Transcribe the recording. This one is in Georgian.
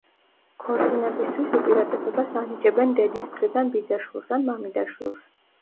ქორწინებისთვის უპირატესობას ანიჭებენ დედის მხრიდან ბიძაშვილს ან მამიდაშვილს.